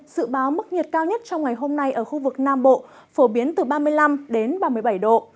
dự báo mức nhiệt cao nhất trong ngày hôm nay ở khu vực nam bộ phổ biến từ ba mươi năm đến ba mươi bảy độ